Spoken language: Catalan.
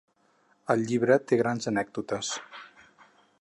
El llibre té grans anècdotes.